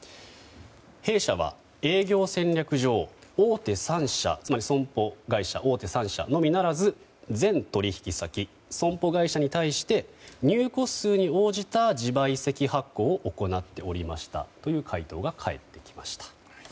弊社は営業戦略上、大手３社つまり、損保会社大手３社のみならず全取引先、損保会社に対して入庫数に応じた自賠責発行を行っておりましたという回答が返ってきました。